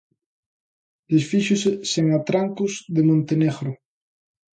Desfíxose sen atrancos de Montenegro.